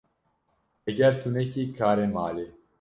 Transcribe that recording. Heger tu nekî karê malê